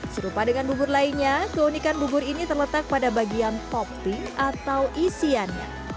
serupa dengan bubur lainnya keunikan bubur ini terletak pada bagian topping atau isiannya